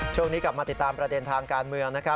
ช่วงนี้กลับมาติดตามประเด็นทางการเมืองนะครับ